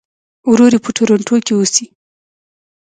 ورور یې په ټورنټو کې اوسي.